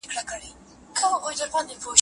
داسې بېسپرلیه،